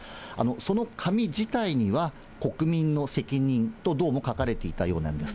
その紙自体には、国民の責任と、どうも書かれていたようなんです。